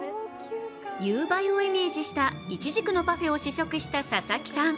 夕映えをイメージしたいちじくのパフェを試食した佐々木さん。